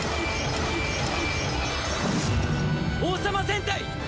王様戦隊！